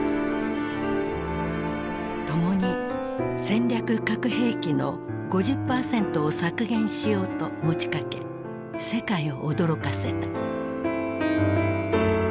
ともに戦略核兵器の５０％を削減しようと持ちかけ世界を驚かせた。